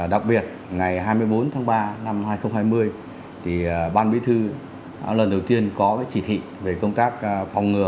đặc biệt ngày hai mươi bốn tháng ba năm hai nghìn hai mươi ban bí thư lần đầu tiên có chỉ thị về công tác phòng ngừa